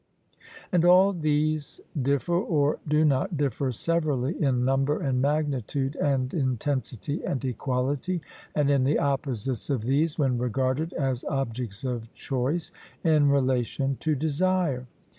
And all these differ or do not differ severally in number and magnitude and intensity and equality, and in the opposites of these when regarded as objects of choice, in relation to desire.